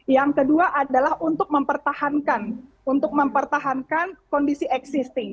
yang kedua adalah untuk mempertahankan untuk mempertahankan kondisi existing